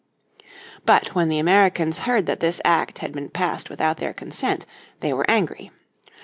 But when the Americans heard that this Act had been passed without their consent they were angry.